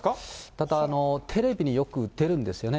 ただ、テレビによく出るんですよね。